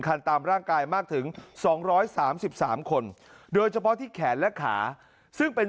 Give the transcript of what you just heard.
ตามร่างกายมากถึง๒๓๓คนโดยเฉพาะที่แขนและขาซึ่งเป็น